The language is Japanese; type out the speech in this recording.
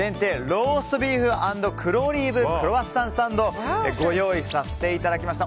ローストビーフ＆黒オリーブクロワッサンサンドご用意させていただきました。